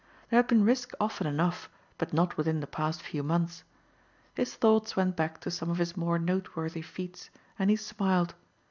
There had been risk often enough but not within the past few months. His thoughts went back to some of his more noteworthy feats, and he smiled.